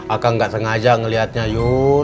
akan enggak sengaja ngelihatnya yun